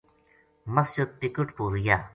مسجد پِکٹ پو رہیا